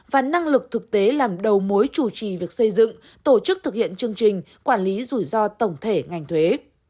và năng lực thực tế làm đầu mối chủ trì việc xây dựng tổ chức thực hiện chương trình quản lý rủi ro tổng thể ngành thuế